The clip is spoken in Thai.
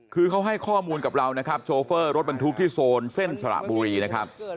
คือเขาให้ข้อมูลกับเรานะครับโชเฟอร์รถบรรทุกที่โซนเส้นสระบุรีนะครับ